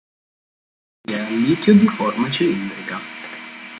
Batteria al litio di forma cilindrica.